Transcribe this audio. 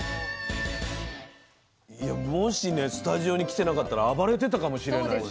もしねスタジオに来てなかったら暴れてたかもしれない新年早々。